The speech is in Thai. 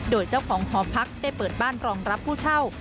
โดยเจ้าของหอพักได้เปิดบ้านรองรับผู้เช่า